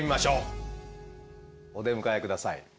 お出迎え下さい。